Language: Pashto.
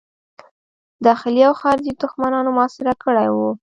داخلي او خارجي دښمنانو محاصره کړی وو.